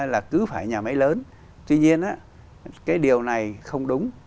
là cứ phải nhà máy lớn tuy nhiên cái điều này không đúng